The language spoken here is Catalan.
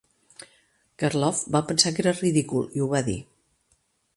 Karloff va pensar que era ridícul i ho va dir.